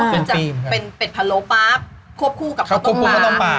เป็นเป็ดพะโลป๊าควบคู่กับข้าวต้มปลา